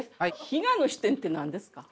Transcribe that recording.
「非我の視点」って何ですか？